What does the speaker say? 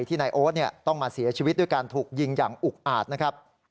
นายโอ๊ตต้องมาเสียชีวิตด้วยการถูกยิงอย่างอุกอาจนะครับ